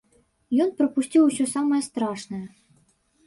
Ён прапусціў ўсё самае страшнае.